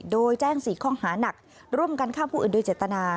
โดยแจ้ง๔ข้อหานักร่วมกันฆ่าผู้อื่นโดยเจตนา